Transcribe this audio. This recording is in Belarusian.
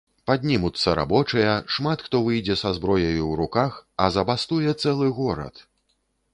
Паднімуцца рабочыя, шмат хто выйдзе са зброяю ў руках, а забастуе цэлы горад!